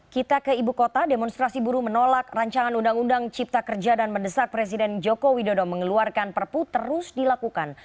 kita ke ibu kota demonstrasi buruh menolak rancangan undang undang cipta kerja dan mendesak presiden joko widodo mengeluarkan perpu terus dilakukan